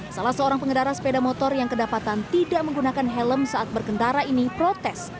salah seorang pengendara sepeda motor yang kedapatan tidak menggunakan helm saat berkendara ini protes